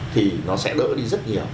thì nó sẽ đỡ đi rất nhiều